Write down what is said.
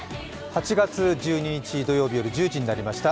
８月１２日土曜日夜１０時になりました。